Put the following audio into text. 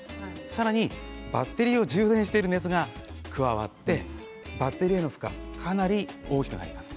さらにバッテリーを充電している熱が加わってバッテリーの負荷かなり大きくなります。